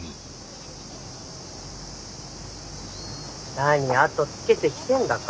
何後つけてきてんだか。